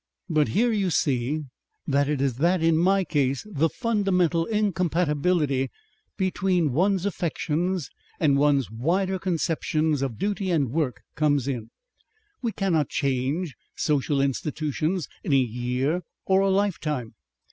"But here you see that it is that in my case, the fundamental incompatibility between one's affections and one's wider conception of duty and work comes in. We cannot change social institutions in a year or a lifetime.